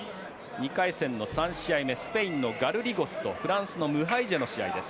２回戦の３試合目スペインのガルリゴスとフランスのムハイジェの試合です。